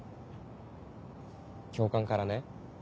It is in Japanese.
教官からね